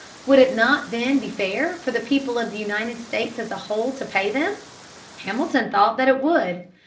Would it not then be fair for the people of the United States as a whole to pay them? Hamilton thought that it would.